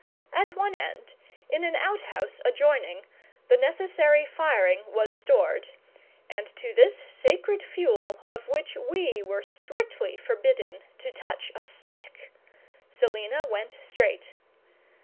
At one end, in an out house adjoining, the necessary firing was stored; and to this sacred fuel, of which we were strictly forbidden to touch a stick, Selina went straight.